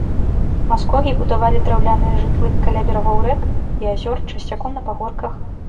Маскогі будавалі драўляныя жытлы каля берагоў рэк і азёр, часцяком на пагорках.